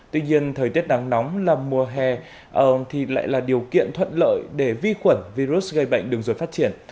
tuy nhiên thời tiết nắng nóng là mùa hè thì lại là điều kiện thuận lợi để vi khuẩn virus gây bệnh đường ruột phát triển